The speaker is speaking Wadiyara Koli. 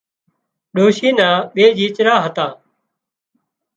ڏوشي نا ٻي ڄيچرا هتا